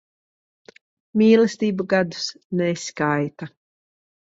Mīlestība gadus neskaita.